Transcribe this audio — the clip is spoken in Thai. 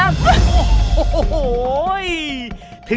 แม่